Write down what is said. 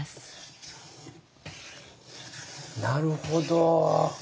なるほど。